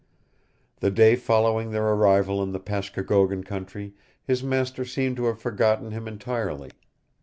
The day following their arrival in the Pashkokogon country his master seemed to have forgotten him entirely.